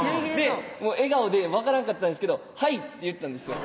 笑顔で分からんかったんですけど「はい」って言ったんですよ